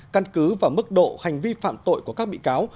căn cứ và mức độ hành vi phạm tội của các bị cáo